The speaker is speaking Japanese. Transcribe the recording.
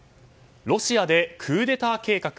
ロシアでクーデター計画